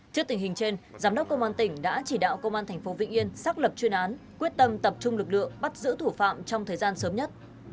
trước tình hình trên giám đốc công an tỉnh đã chỉ đạo công an tp vĩnh yên xác lập chuyên án quyết tâm tập trung lực lượng bắt giữ thủ phạm trong thời gian sớm nhất